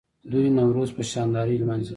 دوی نوروز په شاندارۍ لمانځي.